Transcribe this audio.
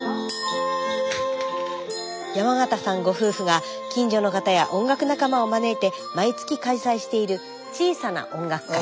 山端さんご夫婦が近所の方や音楽仲間を招いて毎月開催している「小さな音楽会」。